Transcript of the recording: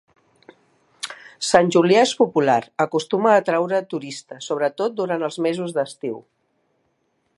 Sant Julià és popular, acostuma a atraure turistes, sobretot durant els mesos d'estiu.